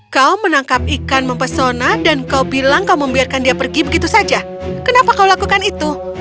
kau menangkap ikan mempesona dan kau bilang kau membiarkan dia pergi begitu saja kenapa kau lakukan itu